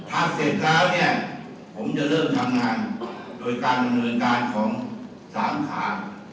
ทำเสร็จแล้วเนี่ยผมจะเริ่มทำงานโดยการดำเนินการของสาขา